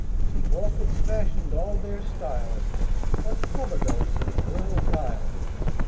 The Orchids fashioned all their style On Flubadub's infernal guile.